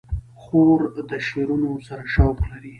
خور د شعرونو سره شوق لري.